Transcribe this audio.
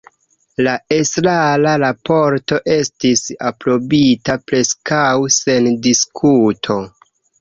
La estrara raporto estis aprobita preskaŭ sen diskuto.